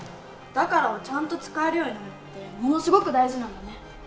「だから」をちゃんと使えるようになるってものすごく大事なんだね。